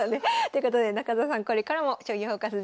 ということで中澤さんこれからも「将棋フォーカス」